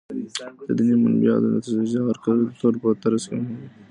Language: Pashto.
د دینی بنیادونو ستراتیژۍ د هر کلتور په ترڅ کي مهمي دي.